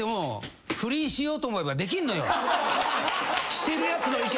してるやつの意見。